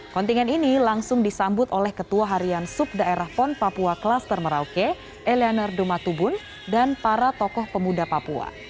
kontingen ini langsung disambut oleh ketua harian subdaerah pon papua klaster merauke elianer dumatubun dan para tokoh pemuda papua